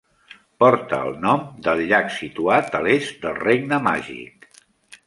Porta el nom del llac situat a l'est del regne màgic.